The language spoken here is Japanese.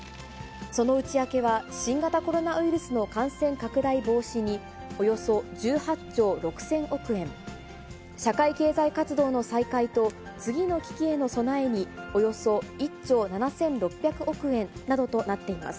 その内訳は、新型コロナウイルスの感染拡大防止におよそ１８兆６０００億円、社会経済活動の再開と次の危機への備えにおよそ１兆７６００億円などとなっています。